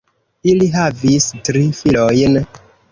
Ili havis tri filojn.